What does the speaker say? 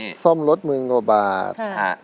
ก็ส่องลดหมื่นกว่าบาท